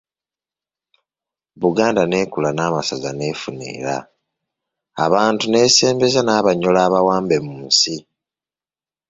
"Buganda n’ekula n’amasaza n'efuna era, abantu n’esembeza n’Abanyoro abawambe mu nsi."